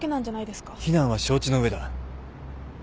非難は承知の上だ。